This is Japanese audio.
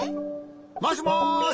もしもし。